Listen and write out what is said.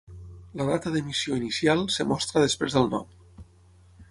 La data d'emissió inicial es mostra després del nom.